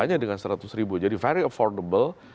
hanya dengan seratus ribu jadi very affordable